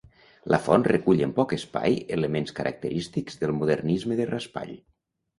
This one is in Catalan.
La font recull en poc espai elements característics del modernisme de Raspall.